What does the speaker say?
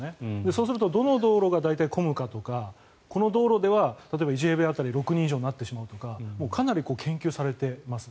そうするとどの道路が大体混むかとかこの道路では例えば１平米当たり６人以上になってしまうとかかなり研究されてます。